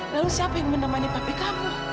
lalu siapa yang menemani pabrik kamu